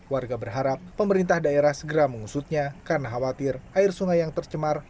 warga berharap pemerintah daerah segera mengusutnya karena khawatir air sungai yang tercemar